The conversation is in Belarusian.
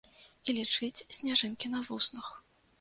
І лічыць сняжынкі на вуснах.